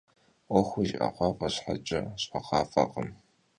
'uexur jjı'eğuaf'e şheç'e, ş'eğuaf'ekhım.